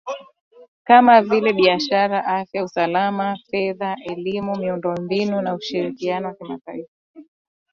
Kama vile biashara , afya , usalama , fedha , elimu , miundo mbinu na ushirikiano wa kimataifa.